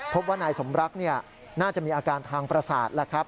พบว่านายสมรักน่าจะมีอาการทางประสาทแล้วครับ